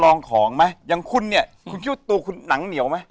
ลองของไหมอย่างคุณเนี่ยคุณคิดว่าตัวคุณหนังเหนียวไหม